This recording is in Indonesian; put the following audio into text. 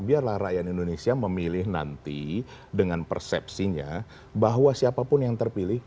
biarlah rakyat indonesia memilih nanti dengan persepsinya bahwa siapapun yang terpilih